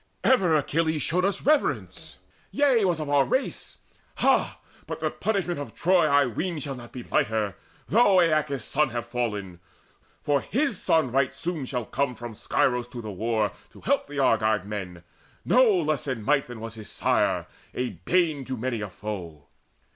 Ever Achilles showed us reverence yea, Was of our race. Ha, but the punishment Of Troy, I ween, shall not be lighter, though Aeacus' son have fallen; for his son Right soon shall come from Scyros to the war To help the Argive men, no less in might Than was his sire, a bane to many a foe.